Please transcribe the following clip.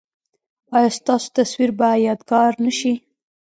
ایا ستاسو تصویر به یادګار نه شي؟